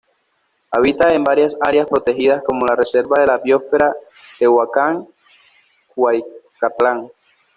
Habita en varias áreas protegidas como la Reserva de la Biósfera Tehuacán-Cuicatlán.